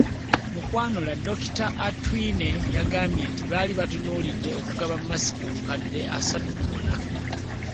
Mu kwanula, Dokita Atwine yagambye nti baali batunuulidde okugaba masiki obukadde asatu mu buna